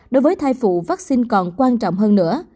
đối với thai phụ vaccine còn quan trọng hơn nữa